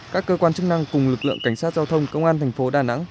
các cơ quan chức năng cùng lực lượng cảnh sát giao thông công an thành phố đà nẵng